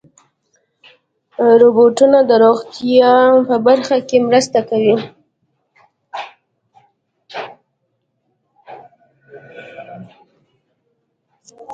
روبوټونه د روغتیا په برخه کې مرسته کوي.